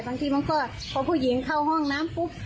บางทีมันก็พอผู้หญิงเข้าห้องน้ำปุ๊บ